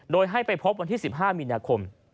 โดยให้ไปพบวันที่๑๕มีนาคม